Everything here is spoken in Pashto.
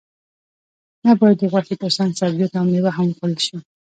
نه باید د غوښې ترڅنګ سبزیجات او میوه هم وخوړل شي